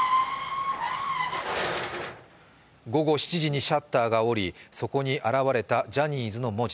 午後７時にシャッターが下り、そこに現れたジャニーズの文字。